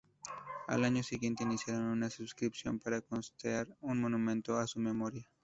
Al año siguiente iniciaron una suscripción para costear un monumento a su memoria.